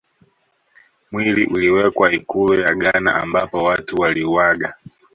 Mwili uliwekwa ikulu ya Ghana ambapo Watu waliuaga